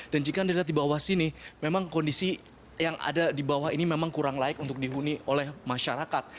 dan jika anda lihat di bawah sini memang kondisi yang ada di bawah ini memang kurang layak untuk dihuni oleh masyarakat